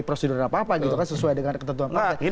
prosedur apa apa gitu kan sesuai dengan ketentuan partai